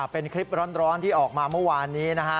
เป็นคลิปร้อนที่ออกมาเมื่อวานนี้นะฮะ